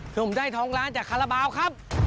ผมได้ทองล้านจากคาราบาลครับ